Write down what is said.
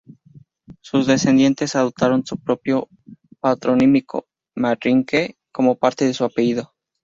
Sus descendientes adoptaron su propio patronímico, Manrique, como parte de su apellido.